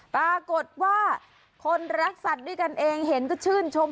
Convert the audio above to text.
ปรากฏว่าคนรักสัตว์ด้วยกันเองเห็นก็ชื่นชม